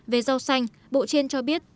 về rau xanh bộ trên cho biết